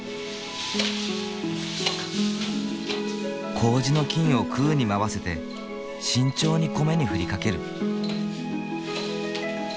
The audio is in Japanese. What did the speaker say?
麹の菌を空に舞わせて慎重に米に振りかける。